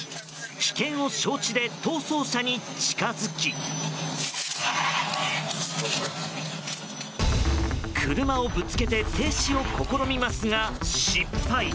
危険を承知で逃走車に近づき車をぶつけて停止を試みますが失敗。